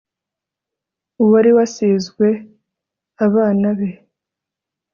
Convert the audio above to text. uwari wasizwe aban be